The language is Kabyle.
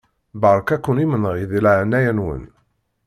Beṛka-ken imenɣi di leɛnaya-nwen.